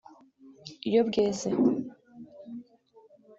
iyo bweze